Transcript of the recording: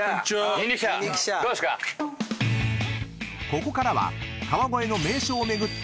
［ここからは川越の名所を巡って］